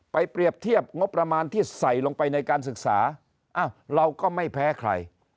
เปรียบเทียบงบประมาณที่ใส่ลงไปในการศึกษาเราก็ไม่แพ้ใคร